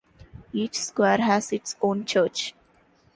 Each square has its own church.